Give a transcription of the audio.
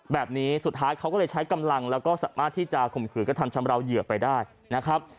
แบบนี้สุดท้ายเขาก็เลยใช้กำลังแล้วก็สามารถที่จะข่มขืนกระทำชำราวเหยื่อไปได้นะครับ